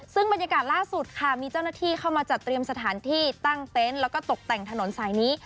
ซึ่งบรรยากาศล่าสุดค่ะมีเจ้าหน้าที่เข้ามาจัดเตรียมสถานที่ตั้งเต็นต์แล้วก็ตกแต่งถนนสายนี้